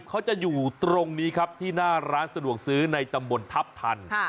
เขาจะอยู่ตรงนี้ครับที่หน้าร้านสะดวกซื้อในตำบลทัพทัน